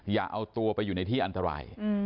อย่าเอาตัวไปอยู่ในที่อันตราย